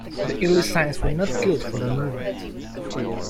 The early signs were not good for the movement.